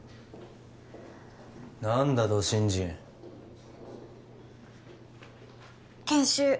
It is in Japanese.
何だド新人研修